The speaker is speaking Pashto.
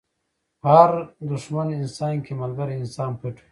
په هر دښمن انسان کې ملګری انسان پټ وي.